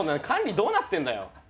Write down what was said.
管理どうなってんだよ。